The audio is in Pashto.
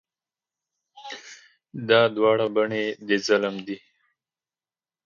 دا دواړه بڼې د ظلم دي.